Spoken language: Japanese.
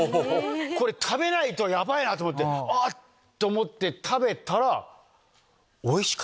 食べないとヤバいな！と思ってあっ！と思って食べたら。